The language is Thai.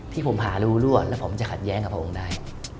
ที่ผมหารู้รั่วแล้วผมจะขัดแย้งกับพระองค์ได้